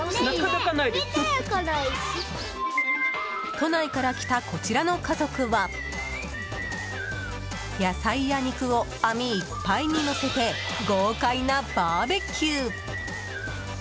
都内から来たこちらの家族は野菜や肉を網いっぱいにのせて豪快なバーベキュー！